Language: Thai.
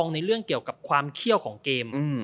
ในเรื่องเกี่ยวกับความเขี้ยวของเกม